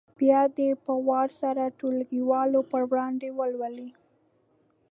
بیا دې په وار سره ټولګیوالو په وړاندې ولولي.